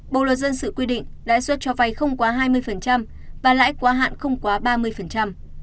bộ luật dân sự quy định lãi suất cho vay không quá hai mươi và lãi quá hạn không quá ba mươi